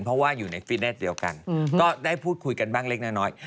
เพราะว่าอยู่ในฟิตเนสเดียวกันก็ได้พูดคุยกันบ้างเล็กน้อย